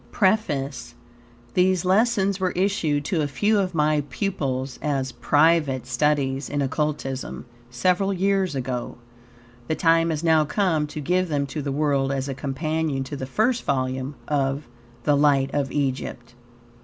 PREFACE These lessons were issued to a few of my pupils as "Private Studies in Occultism," several years ago. The time has now come to give them to the world as a companion to the first volume of "The Light of Egypt."